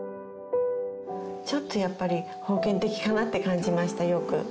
ちょっとやっぱり封建的かなって感じましたよく。